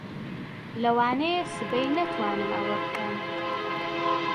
لەوانەیە سبەی نەتوانم ئەوە بکەم.